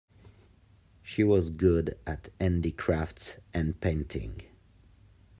She was good at handicrafts and painting.